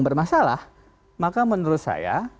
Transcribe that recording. bermasalah maka menurut saya